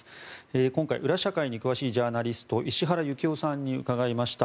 今回、裏社会に詳しいジャーナリスト石原行雄さんに伺いました。